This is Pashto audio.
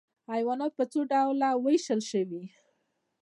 حیوانات په څو ډلو ویشل شوي؟